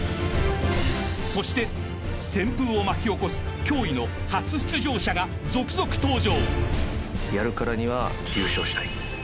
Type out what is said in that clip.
［そして旋風を巻き起こす驚異の初出場者が続々登場］